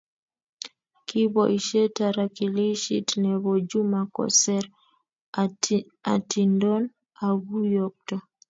Kiboisie tarakilishit ne bo Juma koser atindon akuyookto